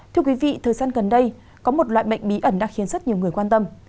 thưa quý vị thời gian gần đây có một loại bệnh bí ẩn đã khiến rất nhiều người quan tâm